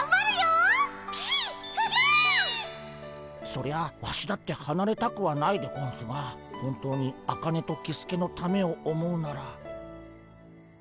そりゃワシだってはなれたくはないでゴンスが本当にアカネとキスケのためを思うなら。